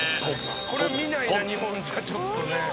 これ見ないな日本じゃちょっとね。